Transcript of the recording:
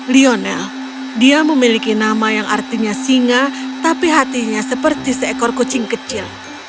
lionel dia memiliki nama yang artinya singa tapi hatinya seperti seekor kucing kecil